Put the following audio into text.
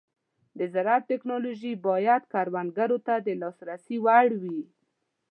د زراعت ټيکنالوژي باید کروندګرو ته د لاسرسي وړ وي.